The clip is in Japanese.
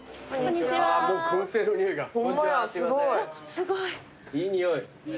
すごい。いい匂い。